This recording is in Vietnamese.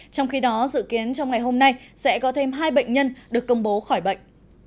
trong khi đó dự kiến trong ngày hôm nay sẽ có thêm hai bệnh nhân được công bố khỏi bệnh